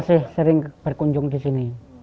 masih sering berkunjung di sini